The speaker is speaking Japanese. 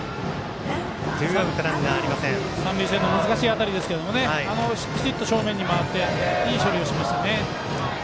三塁線の難しい当たりですけどきちっと正面に回っていい処理をしましたね。